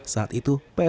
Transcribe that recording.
saat itu psn